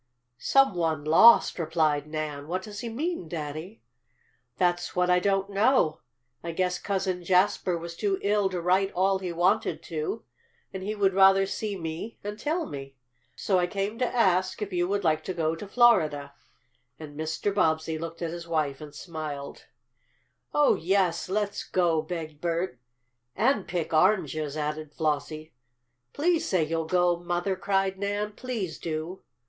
"Some one lost!" replied Nan. "What does he mean, Daddy?" "That's what I don't know. I guess Cousin Jasper was too ill to write all he wanted to, and he would rather see me and tell me. So I came to ask if you would like to go to Florida," and Mr. Bobbsey looked at his wife and smiled. "Oh, yes! Let's go!" begged Bert. "And pick oranges!" added Flossie. "Please say you'll go, Mother!" cried Nan. "Please do!"